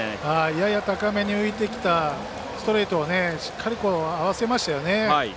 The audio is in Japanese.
やや高めに浮いてきたストレートをしっかり合わせましたよね。